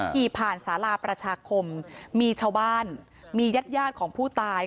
ขี่ผ่านสาราประชาคมมีชาวบ้านมีญาติยาดของผู้ตาย